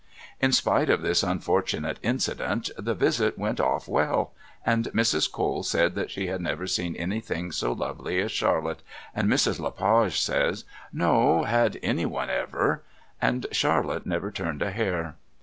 In spite of this unfortunate incident, the visit went off well, and Mrs. Cole said that she had never seen anything so lovely as Charlotte, and Mrs. Le Page said, "No, had anyone ever?" and Charlotte never turned a hair.